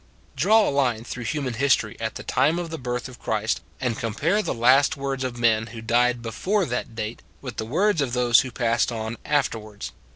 Draw a line through human history at the time of the birth of Christ, and com pare the last words of men who died be fore that date with the words of those who passed on afterwards.